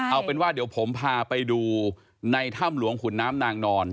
เอาเป็นว่าเดี๋ยวผมพาไปดูในถ้ำหลวงขุนน้ำนางนอน